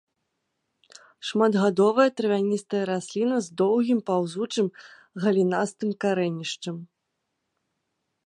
Шматгадовая травяністая расліна з доўгім паўзучым галінастым карэнішчам.